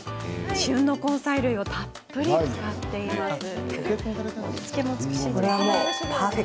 旬の根菜類をたっぷり使っています。